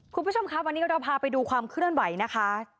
คุณผู้ชมครับวันนี้เราพาไปดูความเคลื่อนไหวนะคะ